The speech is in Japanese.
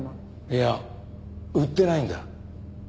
いや売ってないんだ。